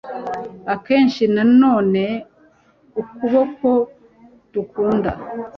Akenshi nanone ukuboko dukunda